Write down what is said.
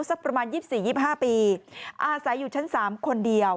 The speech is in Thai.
สักประมาณ๒๔๒๕ปีอาศัยอยู่ชั้น๓คนเดียว